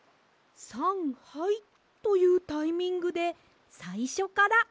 さんはいというタイミングでさいしょからですね。